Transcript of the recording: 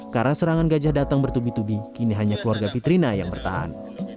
karena serangan gajah datang bertubi tubi kini hanya keluarga fitrina yang bertahan